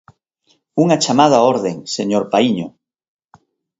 Unha chamada á orde, señor Paíño.